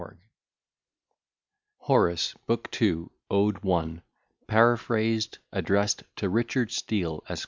_] HORACE, BOOK II, ODE I, PARAPHRASED ADDRESSED TO RICHARD STEELE, ESQ.